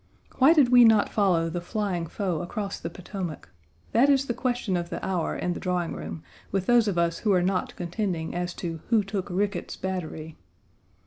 Why did we not follow the flying foe across the Potomac? That is the question of the hour in the drawing room with those of us who are not contending as to "who took Rickett's Battery?"